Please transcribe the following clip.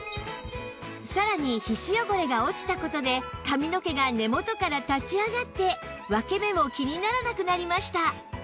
さらに皮脂汚れが落ちた事で髪の毛が根元から立ち上がって分け目も気にならなくなりました